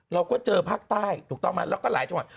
เราก็เจอภาคใต้ถูกต้องไหมแล้วก็หลายจังหวัด